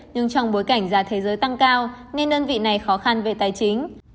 nhưng trong bối cảnh giá thế giới tăng cao nên đơn vị này khó khăn về tài chính